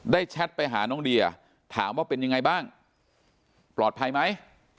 แชทไปหาน้องเดียถามว่าเป็นยังไงบ้างปลอดภัยไหม